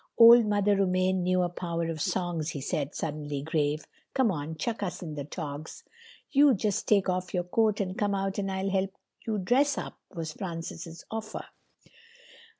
"Old Mother Romaine knew a power of songs," he said, suddenly grave. "Come on, chuck us in the togs." "You just take off your coat and come out and I'll help you dress up," was Francis's offer.